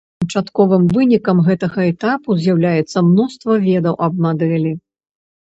Канчатковым вынікам гэтага этапу з'яўляецца мноства ведаў аб мадэлі.